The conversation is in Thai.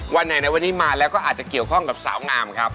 วันไหนนะวันนี้มาแล้วก็อาจจะเกี่ยวข้องกับสาวงามครับ